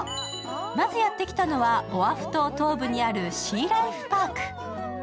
まずやってきたのは、オアフ島東部にあるシーライフ・パーク。